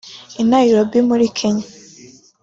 I Nairobi muri Kenya